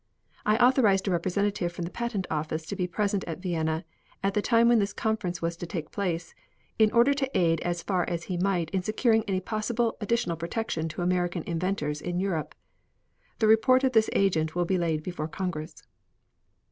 I authorized a representative from the Patent Office to be present at Vienna at the time when this conference was to take place, in order to aid as far as he might in securing any possible additional protection to American inventors in Europe. The report of this agent will be laid before Congress.